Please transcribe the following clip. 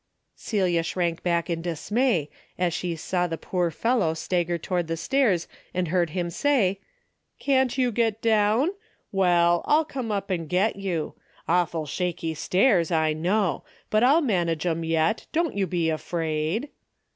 Celia shrank back in dismay, as she saw the poor fellow stagger toward the stairs and heard him say, " Can't you get down ? Well, I'll come up and get you. Awful shaky stairs, I know, but I'll manage 'em yet, don't you be afraid."